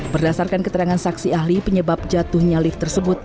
berdasarkan keterangan saksi ahli penyebab jatuhnya lift tersebut